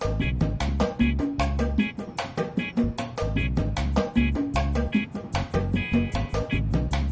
aku mau ke tempat yang lebih baik